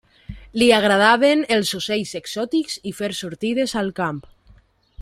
Li agradaven els ocells exòtics i fer sortides al camp.